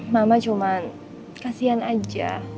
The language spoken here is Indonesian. mama cuman kasian aja